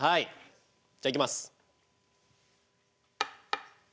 じゃあいきます。